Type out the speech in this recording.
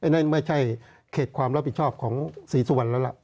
นั่นไม่ใช่เขตความรับผิดชอบของศรีสุวรรณแล้วล่ะ